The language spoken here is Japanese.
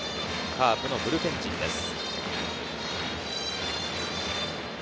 カープのブルペン陣です。